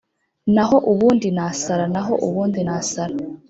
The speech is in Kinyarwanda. naho ubundi nasara, naho ubundi nasara,